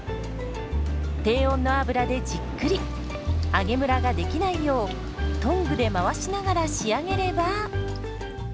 低温の油でじっくり揚げむらができないようトングで回しながら仕上げれば。